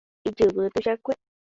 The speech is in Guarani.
Ijyvy tuichakue.